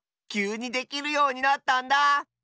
きゅうにできるようになったんだ！